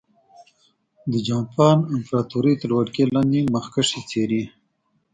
د جاپان امپراتورۍ تر ولکې لاندې مخکښې څېرې.